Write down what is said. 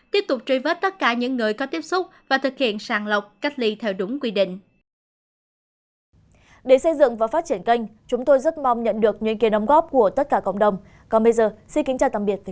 tiếp tục truy vết tất cả những người có tiếp xúc và thực hiện sàng lọc cách ly theo đúng quy định